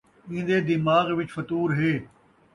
ایندے دماغ وچ فتور ہے